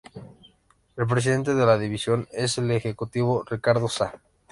El Presidente de la división es el ejecutivo Ricardo Sá.